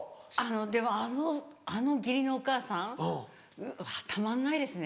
でもあの義理のお母さんたまんないですね。